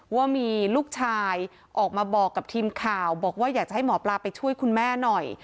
ว่ามีลูกชายออกมาบอกกับทีมข่าวบอกว่าอยากจะให้หมอปลาไปช่วยคุณแม่หน่อย